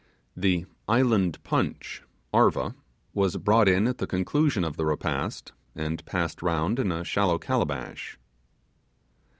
The island punch arva was brought in at the conclusion of the repast, and passed round in a shallow calabash.